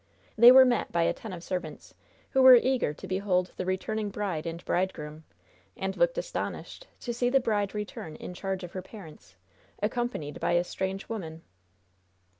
They were met by attentive servants, who were eager to behold the returning bride and bridegroom, and looked astonished to see the bride return in charge of her parents, accompanied by a strange woman.